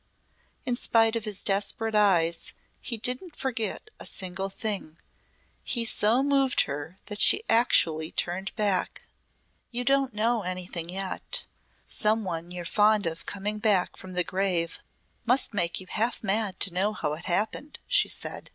In spite of his desperate eyes he didn't forget a single thing. He so moved her that she actually turned back. "You don't know anything yet Some one you're fond of coming back from the grave must make you half mad to know how it happened," she said.